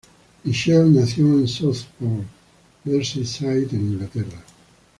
Mitchell nació en Southport, Merseyside, en Inglaterra.